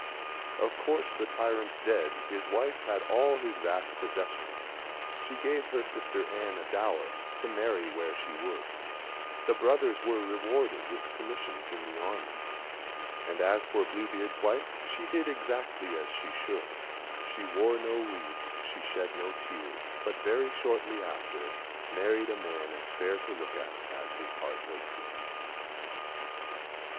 Of course, the tyrant dead, his wife had all his vast possessions; She gave her sister Anne a dower to marry where she would; The brothers were rewarded with commissions in the army; And as for Blue beard's wife, she did exactly as she should, She wore no weeds, she shed no tears; but very shortly after Married a man as fair to look at as his heart was good.